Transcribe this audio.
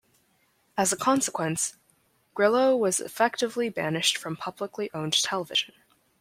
As a consequence, Grillo was effectively banished from publicly owned television.